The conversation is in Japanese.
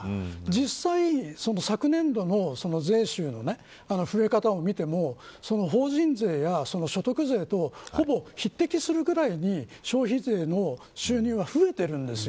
実際、昨年度の税収の増え方を見ても法人税や所得税とほぼ匹敵するぐらいに消費税の収入は増えているんです。